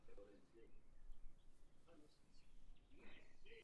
První dva týmy po základní části postoupily do baráže o Slovnaft extraligu.